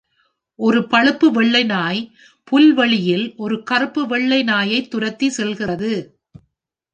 ஒரு பழுப்பு வெள்ளை நாய், புல்வெளியில் ஒரு கறுப்பு வெள்ளை நாயைத் துரத்தி செல்கிறது.